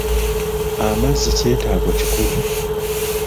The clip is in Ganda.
Amazzi kyetaago kikulu.